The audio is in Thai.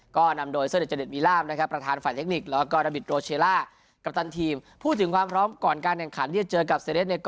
ก็นำโดยเสด็จเจด็ดมีร่ามนะครับ